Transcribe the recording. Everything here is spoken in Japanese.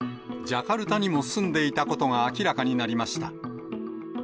ジャカルタにも住んでいたことが明らかになりました。